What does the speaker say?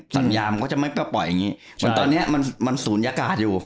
สัญญามันก็จะไม่ปล่อยอย่างนี้เหมือนตอนเนี้ยมันมันศูนยากาศอยู่